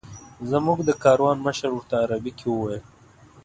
زموږ د کاروان مشر ورته عربي کې وویل.